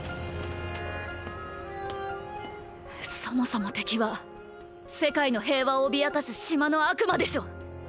そもそも敵は世界の平和を脅かす島の悪魔でしょ？